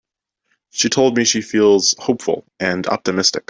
She told me she feels hopeful and optimistic.